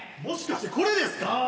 もしかしてこれですか？